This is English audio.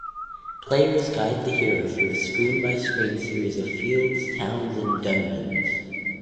Players guide the hero through a screen-by-screen series of fields, towns, and dungeons.